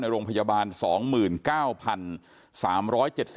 ในโรงพยาบาล๒๙๓๗๖หลาย